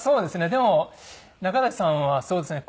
でも仲代さんはそうですね。